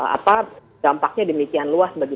apa dampaknya demikian luas bagi bangsa ini